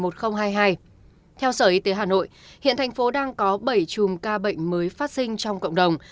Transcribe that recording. theo sở y tế hà nội hiện thành phố đang có bảy chùm ca bệnh mới phát sinh trong cộng đồng